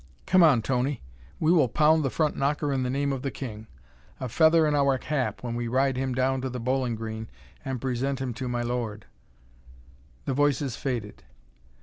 "Come on, Tony. We will pound the front knocker in the name of the King. A feather in our cap when we ride him down to the Bowling Green and present him to My Lord...." The voices faded.